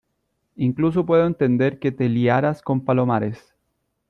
incluso puedo entender que te liaras con Palomares.